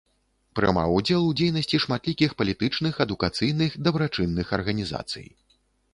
Прымаў удзел у дзейнасці шматлікіх палітычных, адукацыйных, дабрачынных арганізацый.